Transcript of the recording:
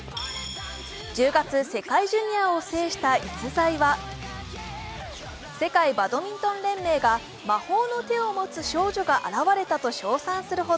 １０月世界ジュニアを制した逸材は世界バドミントン連盟が魔法の手を持つ少女が現れたと称賛するほど。